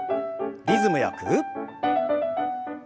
リズムよく。